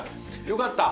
よかった！